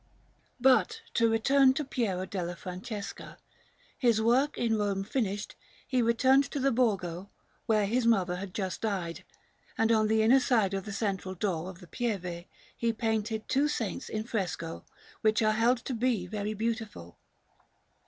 Panel_)] But to return to Piero della Francesca; his work in Rome finished, he returned to the Borgo, where his mother had just died; and on the inner side of the central door of the Pieve he painted two saints in fresco, which are held to be very beautiful.